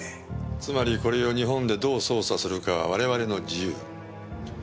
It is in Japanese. つまりこれを日本でどう捜査するか我々の自由。